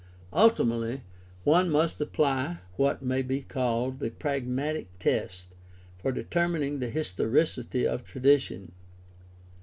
Ultimately one must apply what may be called the prag matic test for determining the historicity of tradition.